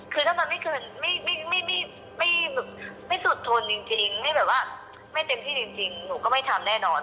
คือถ้าไม่สุดทนจริงไม่เต็มที่จริงหนูก็ไม่ทำแน่นอน